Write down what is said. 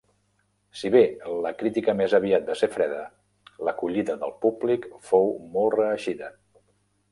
Si bé la crítica més aviat va ser freda, l'acollida del públic fou molt reeixida.